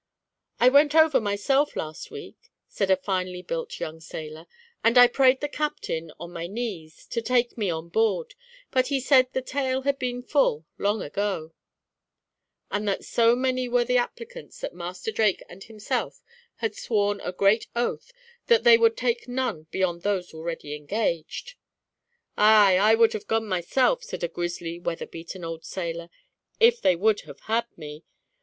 "I went over myself, last week," said a finely built young sailor, "and I prayed the captain, on my knees, to take me on board; but he said the tale had been full, long ago; and that so many were the applicants that Master Drake and himself had sworn a great oath, that they would take none beyond those already engaged." "Aye! I would have gone myself," said a grizzly, weatherbeaten old sailor, "if they would have had me.